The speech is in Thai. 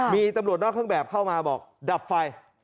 มีตำรวจนอกเครื่องแบบเข้ามาบอกดับไฟ